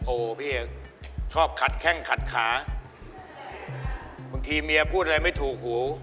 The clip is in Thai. พี่ชอบขัดแข้งขัดขาบางทีเมียพูดอะไรไม่ถูกหู